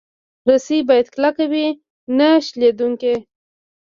رسۍ باید کلکه وي، نه شلېدونکې.